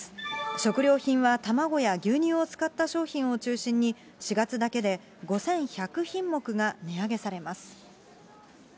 食料品は卵や牛乳を使った商品を中心に４月だけで５１００品目が値上げされます。